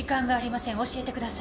教えてください。